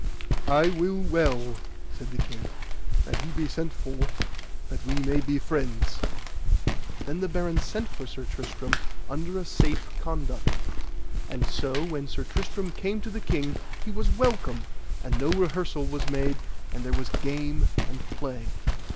I will well, said the king, that he be sent for, that we may be friends. Then the barons sent for Sir Tristram under a safe conduct. And so when Sir Tristram came to the king he was welcome, and no rehearsal was made, and there was game and play.